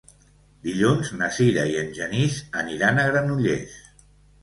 Dilluns na Sira i en Genís aniran a Granollers.